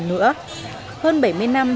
nữa hơn bảy mươi năm